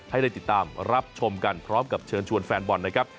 ให้ได้ติดตามรับชมกันพร้อมกับเชิญชวนแฟนบอลนะครับ